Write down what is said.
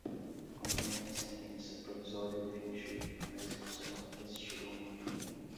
cumprimento de sentença, provisório ou definitivo, na execução, resistida ou não